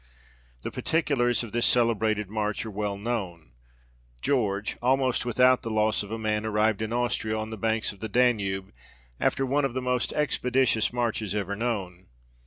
The particulars of this cele brated march are well known. George, almost without the loss of a man, arrived in Austria, on the banks of the Danube, after one of the most expeditious marches ever known.